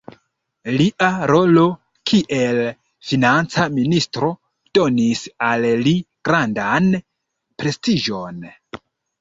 Lia rolo kiel financa ministro donis al li grandan prestiĝon.